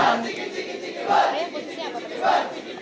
ayah posisinya apa